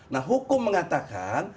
nah hukum mengatakan